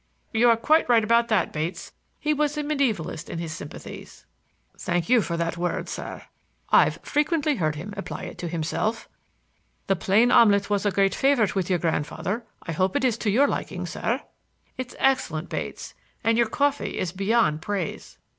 "You are quite right about that, Bates. He was a medievalist in his sympathies." "Thank you for that word, sir; I've frequently heard him apply it to himself. The plain omelette was a great favorite with your grandfather. I hope it is to your liking, sir." "It's excellent, Bates. And your coffee is beyond praise."